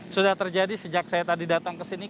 sudah terjadi sejak saya tadi datang ke sini